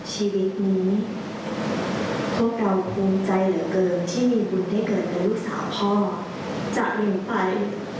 ชีวิตนี้พวกเราภูมิใจเยอะเกินที่มีบุญให้เกิดไปวึกสาวพ่อจากหรือไป